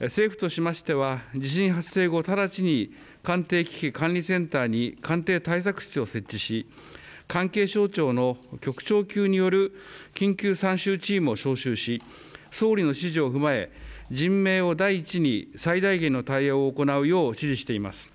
政府としましては地震発生後、直ちに官邸危機管理センターに官邸対策室を設置し関係省庁の局長級による緊急参集チームを招集し総理の指示を踏まえ人命を第一に最大限の対応を行うよう指示しています。